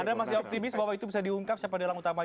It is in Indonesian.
anda masih optimis bahwa itu bisa diungkap siapa di dalam utamanya